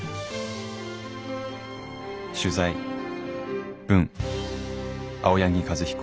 取材・文青柳和彦」。